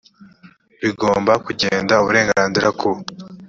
bigomba kugenda uburenganzira ku